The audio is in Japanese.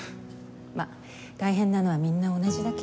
まあ大変なのはみんな同じだけど。